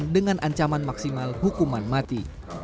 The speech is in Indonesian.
dengan ancaman maksimal hukuman mati